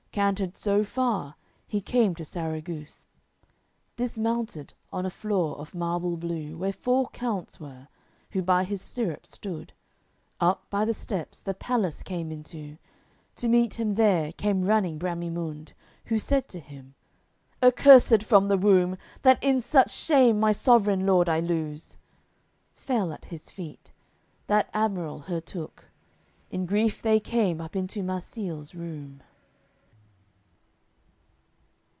Cantered so far, he came to Sarraguce. Dismounted on a floor of marble blue, Where four counts were, who by his stirrup stood; Up by the steps, the palace came into; To meet him there came running Bramimunde, Who said to him: "Accursed from the womb, That in such shame my sovran lord I lose! Fell at his feet, that admiral her took. In grief they came up into Marsile's room.